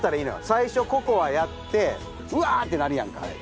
最初ココアやってうわってなるやんか。